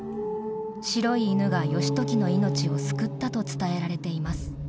白い犬が義時の命を救ったと伝えられています。